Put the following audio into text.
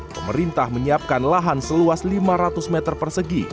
pemerintah menyiapkan lahan seluas lima ratus meter persegi